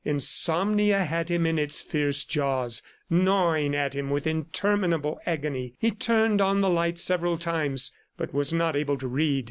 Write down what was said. Insomnia had him in his fierce jaws, gnawing him with interminable agony. He turned on the light several times, but was not able to read.